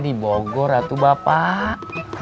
di bogor ya tuh bapak